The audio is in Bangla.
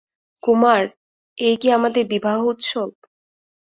কুমার, এই কি আমাদের বিবাহ-উৎসব?